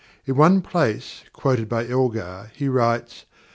In one place, quoted by Elgar, he writes